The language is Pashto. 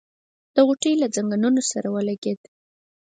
د غوټۍ له ځنګنو سره ولګېد.